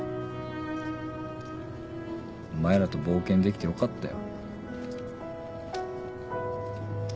お前らと冒険できてよかったよ。